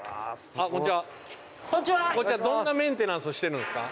どんなメンテナンスをしてるんですか？